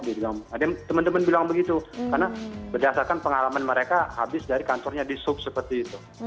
ada teman teman bilang begitu karena berdasarkan pengalaman mereka habis dari kantornya dishub seperti itu